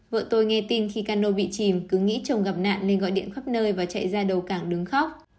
vợ tôi nghe tin khi cano bị chìm cứ nghĩ chồng gặp nạn nên gọi điện khắp nơi và chạy ra đầu cảng đứng khóc